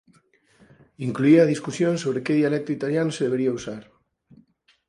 Incluía a discusión sobre que dialecto italiano se debería usar.